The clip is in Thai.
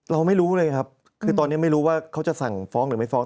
เราไม่รู้เลยครับคือตอนนี้ไม่รู้ว่าเขาจะสั่งฟ้องหรือไม่ฟ้อง